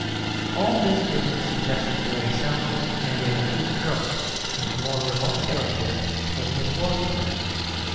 All this Dickens suggested very soundly and in a few strokes in the more remote character of Miss Wozenham.